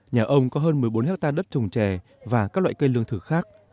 nhà ông có hơn một mươi bốn hectare đất trồng trè và các loại cây lương thực khác